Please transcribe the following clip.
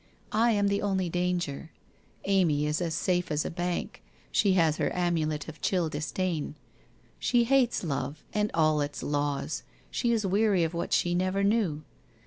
I am the only danger. Amy is as safe as a bank, she has her amulet of chill disdain. She hates Love, and all its laws, she is weary of what she never knew.